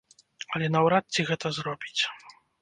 Але наўрад ці гэта зробіць.